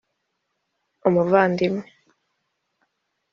umuvandimwe